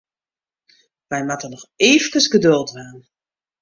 Wy moatte noch eefkes geduld dwaan.